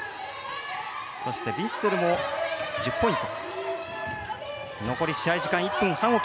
そしてフィッセルが１０ポイント。